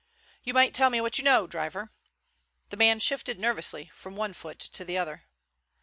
"You might tell me what you know, driver." The man shifted nervously from one foot to the other.